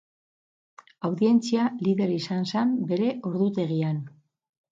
Audientzia lider izan zen bere ordutegian.